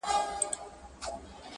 در بخښلی په ازل کي یې قدرت دئ.!